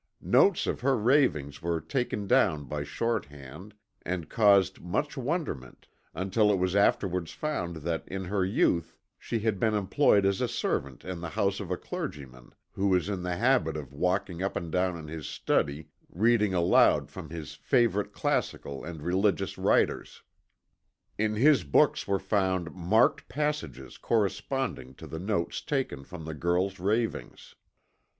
Notes of her ravings were taken down by shorthand, and caused much wonderment, until it was afterwards found that in her youth she had been employed as a servant in the house of a clergyman who was in the habit of walking up and down in his study reading aloud from his favorite classical and religious writers. In his books were found marked passages corresponding to the notes taken from the girl's ravings.